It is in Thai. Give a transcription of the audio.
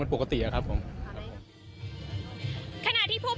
ต่างร่วมมือที่ร้านค้าโรงแรมในหัวหินนะคะ